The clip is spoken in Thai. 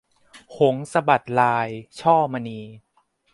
หงส์สะบัดลาย - ช่อมณี